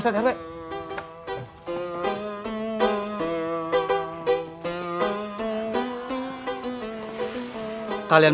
dede kamu selesaikan